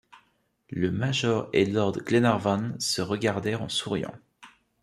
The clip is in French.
Le major et lord Glenarvan se regardèrent en souriant.